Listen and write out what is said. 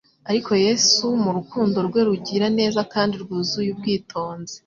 ariko Yesu mu rukundo rwe rugira neza kandi rwuzuye ubwitonzi,